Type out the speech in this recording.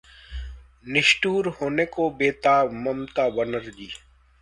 निष्ठुर होने को बेताब ममता बनर्जी